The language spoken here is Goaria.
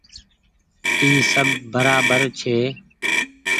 اي سب برابر ڇي۔